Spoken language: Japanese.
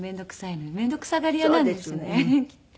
面倒くさがり屋なんですねきっと。